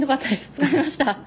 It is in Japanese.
疲れました。